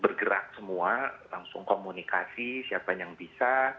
bergerak semua langsung komunikasi siapa yang bisa